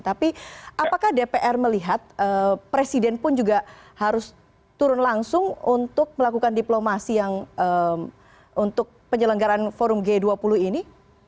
tapi apakah dpr melihat presiden pun juga harus turun langsung untuk melakukan diplomasi yang untuk penyelenggaran forum g dua puluh ini